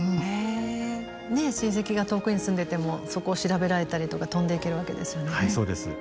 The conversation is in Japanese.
ねえ親戚が遠くに住んでてもそこを調べられたりとか飛んでいけるわけですよね。